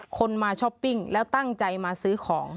คนมาช้อปปิ้งแล้วตั้งใจมาซื้อของ